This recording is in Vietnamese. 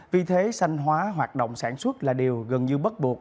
vì thế xanh hóa hoạt động sản xuất là điều gần như bất buộc